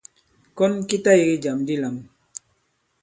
Kɔn ki ta yege jàm di lām.